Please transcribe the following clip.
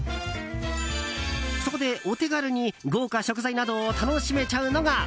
そこで、お手軽に豪華食材などを楽しめちゃうのが。